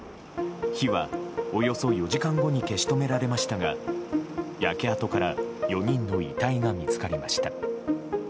火はおよそ４時間後に消し止められましたが、焼け跡から４人の遺体が見つかりました。